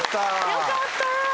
よかった。